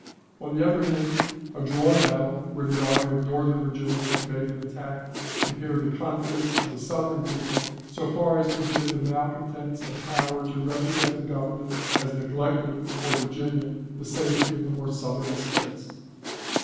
On the other hand, a drawn battle, where the Army of Northern Virginia made an attack, impaired the confidence of the Southern people so far as to give the malcontents a power to represent the Government as neglecting for Virginia the safety of the more southern States.